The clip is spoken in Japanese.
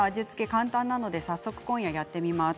簡単なので早速今夜やってみます。